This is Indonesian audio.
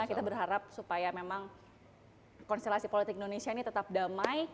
kita berharap supaya memang konstelasi politik indonesia ini tetap damai